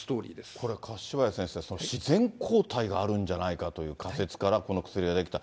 これ、柏谷先生、自然抗体があるんじゃないかという仮説からこの薬は出来た。